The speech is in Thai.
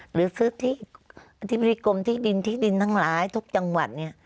หรือซื้อที่อธิบดีกรมที่ดินที่ดินทั้งหลายทุกจังหวัดเนี่ย